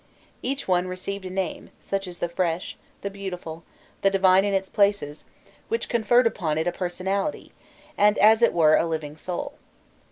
Each one received a name, such as "the Fresh," "the Beautiful," "the Divine in its places," which conferred upon it a personality and, as it were, a living soul.